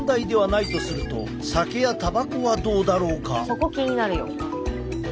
そこ気になるよ。